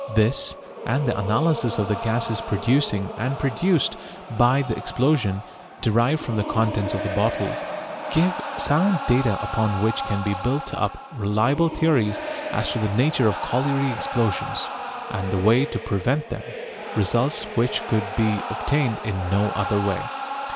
This and the analysis of the gases producing and produced by the explosion, derived from the contents of the bottles, give sound data upon which can be built up reliable theories as to the nature of colliery explosions and the way to prevent them, results which could be obtained in no other way.